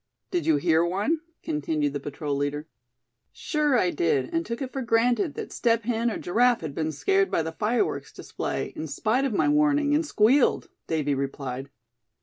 "Did you hear one?" continued the patrol leader. "Sure I did, and took it for granted that Step Hen or Giraffe had been scared by the fireworks display, in spite of my warning, and squealed," Davy replied.